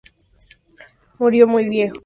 Murió muy viejo.